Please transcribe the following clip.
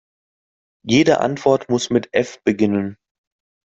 Jede Antwort muss mit F beginnen.